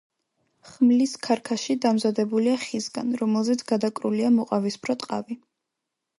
ხმლის ქარქაში დამზადებულია ხისგან, რომელზეც გადაკრულია მოყავისფრო ტყავი.